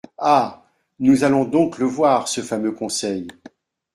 Ah ! nous allons donc le voir, ce fameux Conseil !".